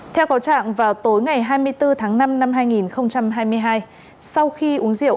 theo có trạng vào tối ngày hai mươi bốn tháng năm năm hai nghìn hai mươi hai sau khi uống rượu